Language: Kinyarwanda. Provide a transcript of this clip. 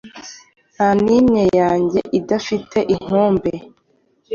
Nta nimwe nyanja idafite inkombe,